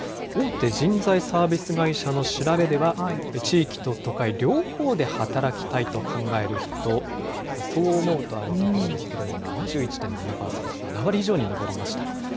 大手人材サービス会社の調べでは、地域と都会、両方で働きたいと考える人、そう思うとあるところですけれども、７１．７％、７割以上に上りました。